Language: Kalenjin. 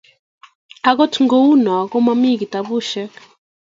akot kou noo komami kitabusiek